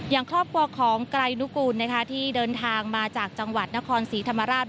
อย่างครอบครัวของไกรนุกูลที่เดินทางมาจากจังหวัดนครศรีธรรมราช